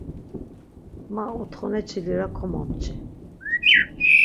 Ma otxoneçi lira komomçi.